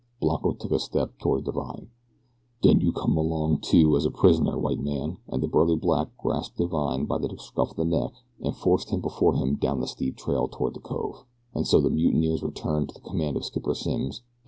Blanco took a step toward Divine. "Den yo come along too as a prisoner, white man," and the burly black grasped Divine by the scruff of the neck and forced him before him down the steep trail toward the cove, and so the mutineers returned to the command of Skipper Simms, and L.